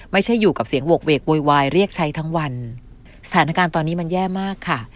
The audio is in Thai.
ไม่ใช่อยู่กับเสียงโหกเวกโวยวายเรียกใช้ทั้งวันสถานการณ์ตอนนี้มันแย่มากค่ะ